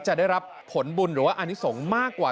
จะได้รับผลบุญหรือว่าอนิสงฆ์มากกว่า